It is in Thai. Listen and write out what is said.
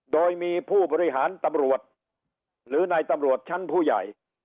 โดยมีผู้บริหารตำรวจหรือนายตำรวจชั้นผู้ใหญ่